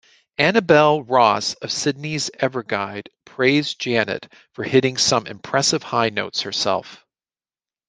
Annabel Ross of Sydney's "Everguide" praised Janet for "hitting some impressive high notes herself".